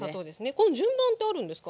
この順番ってあるんですか？